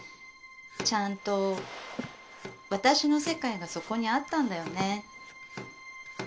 ちゃんと私の世界がそこにあったんだよね。